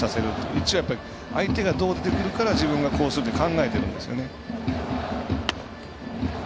一応、相手がどう出てくるから自分がこうするって考えてるんですよね。